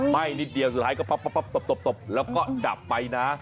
ไหม้นิดเดียวสุดท้ายก็ปั๊บตบแล้วก็จับไปนะ